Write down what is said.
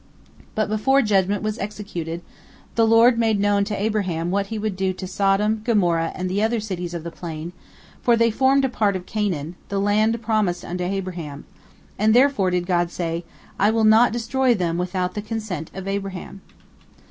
But before judgment was executed, the Lord made known unto Abraham what He would do to Sodom, Gomorrah, and the other cities of the plain, for they formed a part of Canaan, the land promised unto Abraham, and therefore did God say, "I will not destroy them without the consent of Abraham."